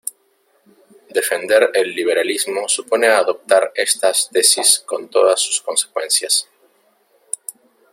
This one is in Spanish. Defender el liberalismo supone adoptar estas tesis con todas sus consecuencias.